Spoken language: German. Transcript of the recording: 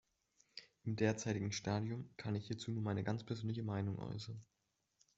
Im derzeitigen Stadium kann ich hierzu nur meine ganz persönliche Meinung äußern.